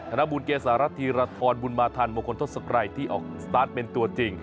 นบุญเกษารัฐธีรทรบุญมาทันมงคลทศกรัยที่ออกสตาร์ทเป็นตัวจริง